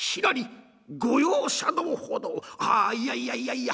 「ああいやいやいやいや。